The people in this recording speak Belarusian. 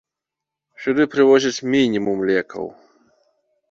Сюды прывозяць мінімум лекаў.